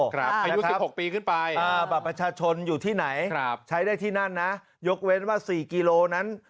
ครับประชาชนอยู่ที่ไหนใช้ได้ที่นั่นนะยกเว้นว่า๔กิโลนั้น